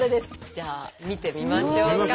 じゃあ見てみましょうか。